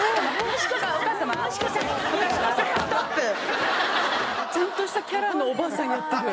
ストップ。ちゃんとしたキャラのおばあさんやってる。